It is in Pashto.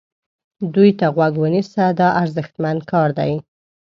دوی ته غوږ ونیسه دا ارزښتمن کار دی.